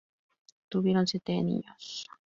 Tuvieron siete niños.